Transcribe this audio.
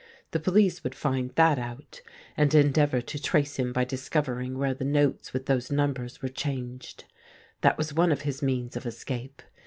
The police would find that out, and endeavour to trace him b}^ discovering where the notes with those numbers were changed. That was one of his means of escape.